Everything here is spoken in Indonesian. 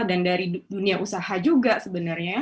dan dari dunia usaha juga sebenarnya